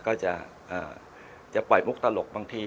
ก็จะปล่อยมุกตลกบางที